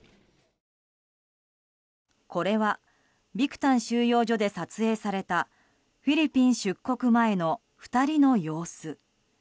これはビクタン収容所で撮影されたフィリピン出国前の２人の様子。